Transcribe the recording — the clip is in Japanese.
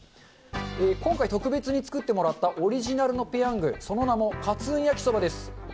今回、特別に作ってもらったオリジナルのペヤング、その名もカツーンやきそばです。